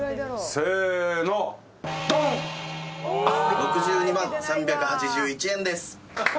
６２万３８１円です。